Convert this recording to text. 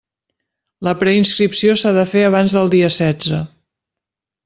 La preinscripció s'ha de fer abans del dia setze.